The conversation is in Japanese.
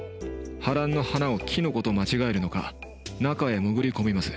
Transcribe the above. ハランの花をキノコと間違えるのか中へ潜り込みます。